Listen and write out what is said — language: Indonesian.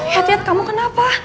yat yat kamu kenapa